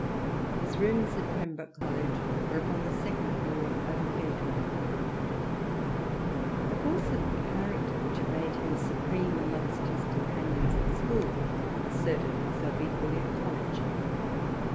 His rooms at Pem broke College were upon the second floor over the gateway. The force of character which had made him supreme amongst his companions at school asserted itself equally at college.